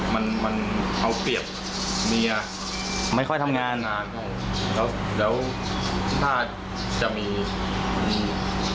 ไม่ใส่ไม่ใส่ค่อนข้างแย่ครับมันมันเอาเปรียบเมีย